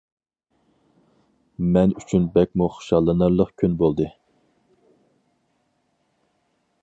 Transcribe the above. مەن ئۈچۈن بەكمۇ خۇشاللىنارلىق كۈن بولدى!